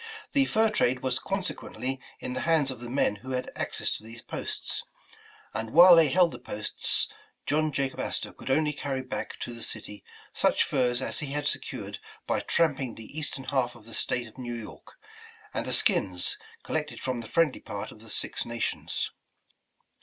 The fur trade was consequently in the hands of the men who had access to these posts, and while they held the posts, John Jacob Astor could only carry back to the city, such furs as he had secured by tramp ing the Eastern half of the State of New York, and the skins, collected from the friendly part of the Six Nations.